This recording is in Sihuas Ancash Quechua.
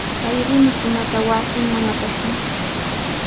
Kay rumikunata wasinman apashun.